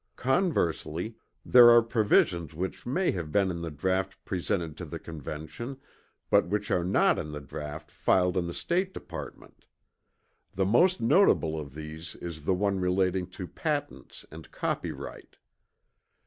Conversely, there are provisions which may have been in the draught presented to the Convention, but which are not in the draught filed in the State Department. The most notable of these is the one relating to patents and copyright.